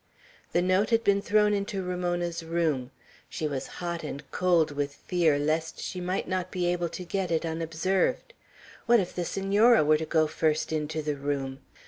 The note had been thrown into Ramona's room. She was hot and cold with fear lest she might not be able to get it unobserved. What if the Senora were to go first into the room!